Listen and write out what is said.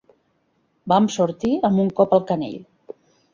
Vam sortir amb un cop al canell.